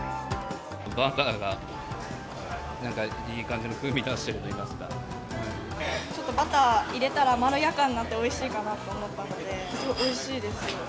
バターがなんかいい感じの風ちょっとバター入れたら、まろやかになっておいしいかなと思ったので、すごいおいしいです。